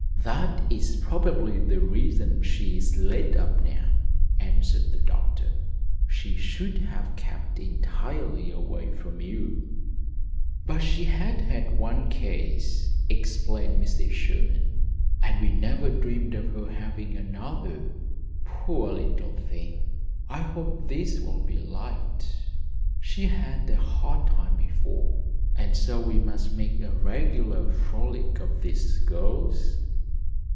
"That is probably the reason she is laid up now," answered the doctor. "She should have kept entirely away from you." "But she had had one case," explained Mrs. Sherman, "and we never dreamed of her having another. Poor little thing! I hope this will be light. She had a hard time before, so we must make a regular frolic of this, girls."